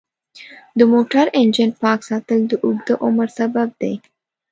د موټر انجن پاک ساتل د اوږده عمر سبب دی.